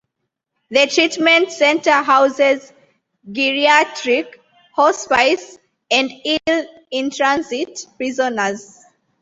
The treatment center houses geriatric, hospice, and ill in-transit prisoners.